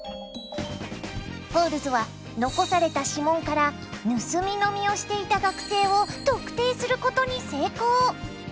フォールズは残された指紋から盗み飲みをしていた学生を特定することに成功！